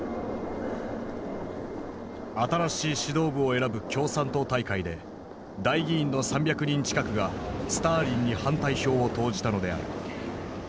新しい指導部を選ぶ共産党大会で代議員の３００人近くがスターリンに反対票を投じたのである。